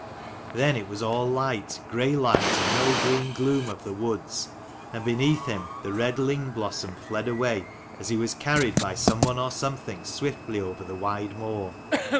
Then it was all light, grey light, and no green gloom of the woods; and beneath him the red ling blossom fled away, as he was carried by someone or something swiftly over the wide moor.